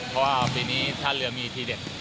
เพราะว่าปีนี้ท่าเรือมีทีเด็ด